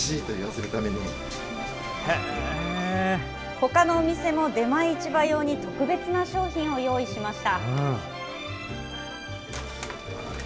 ほかのお店も出前市場用に特別な商品を用意しました。